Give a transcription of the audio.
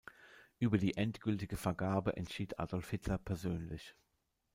Über die endgültige Vergabe entschied Adolf Hitler persönlich.